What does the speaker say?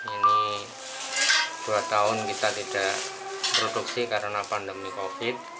ini dua tahun kita tidak produksi karena pandemi covid